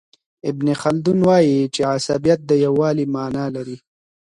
ابن خلدون وايي چي عصبیت د یووالي معنی لري.